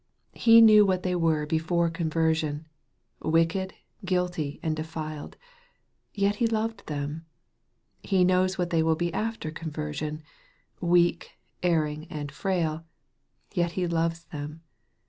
He knew what they were before conversion, wicked, guilty, and defiled ; yet He loved them. He knows what they will be after conversion, weak, erring, and frail ; yet He loves them.